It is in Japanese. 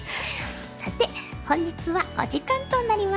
さて本日はお時間となりました。